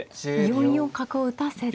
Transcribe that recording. ４四角を打たせて。